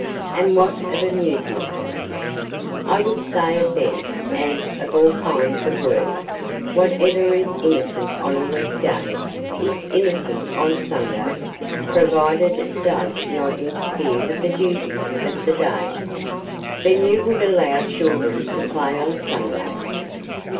"And what of amusements?" "I would say of them, as of all kinds of work, whatever is innocent on a week day, is innocent on Sunday, provided it does not interfere with the duties of the day." "Then you would allow children to play on Sunday?"